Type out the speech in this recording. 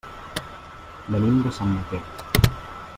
Venim de Sant Mateu.